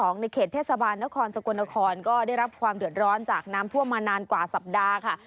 ในเขตเทศบาลนครสกลนครก็ได้รับความเดือดร้อนจากน้ำท่วมมานานกว่าสัปดาห์ค่ะ